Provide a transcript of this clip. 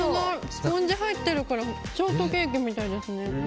スポンジ入ってるからショートケーキみたいですね。